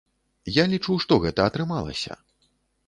Я лічу, што гэта атрымалася.